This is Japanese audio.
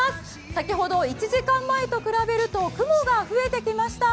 先ほど、１時間前と比べると、雲が増えてきました。